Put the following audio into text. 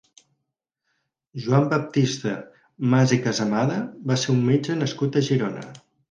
Joan Baptista Mas i Casamada va ser un metge nascut a Girona.